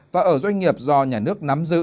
và ở doanh nghiệp do nhà nước nắm giữ